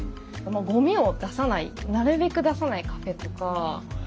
ごみを出さないなるべく出さないカフェとか。